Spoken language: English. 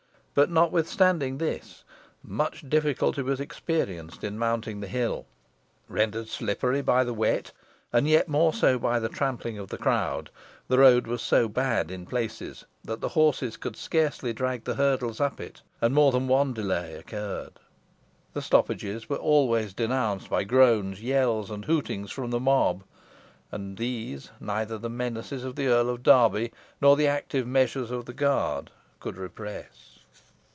But notwithstanding this, much difficulty was experienced in mounting the hill. Rendered slippery by the wet, and yet more so by the trampling of the crowd, the road was so bad in places that the horses could scarcely drag the hurdles up it, and more than one delay occurred. The stoppages were always denounced by groans, yells, and hootings from the mob, and these neither the menaces of the Earl of Derby, nor the active measures of the guard, could repress.